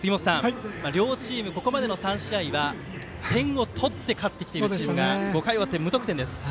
両チーム、ここまでの３試合は点を取って勝ってきているチームが、５回が終わって無得点です。